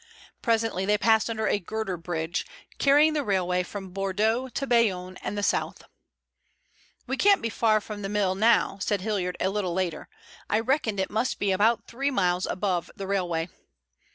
Presently they passed under a girder bridge, carrying the railway from Bordeaux to Bayonne and the south. "We can't be far from the mill now," said Hilliard a little later. "I reckoned it must be about three miles above the railway."